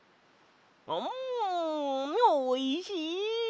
んおいしい！